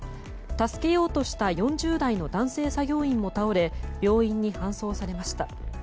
助けようとした４０代の男子作業員も倒れ病院に搬送されました。